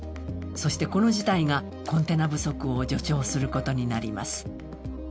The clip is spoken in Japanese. そして、この事態がコンテナ不足を助長することになります。